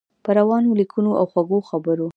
په روانو لیکنو او خوږو خبرو.